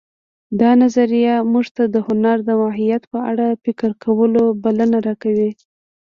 دا نظریه موږ ته د هنر د ماهیت په اړه فکر کولو بلنه راکوي